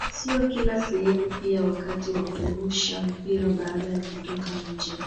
sio kila sehemu pia wakati wa kurusha mpira baada ya kutoka nje